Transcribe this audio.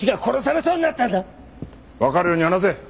わかるように話せ。